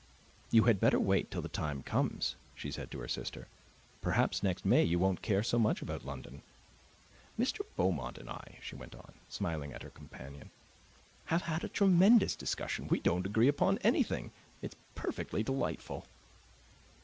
"You had better wait till the time comes," she said to her sister. "Perhaps next May you won't care so much about London. Mr. Beaumont and I," she went on, smiling at her companion, "have had a tremendous discussion. We don't agree about anything. It's perfectly delightful."